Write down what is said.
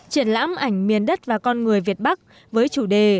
triển lãm ảnh miền đất và con người việt bắc với chủ đề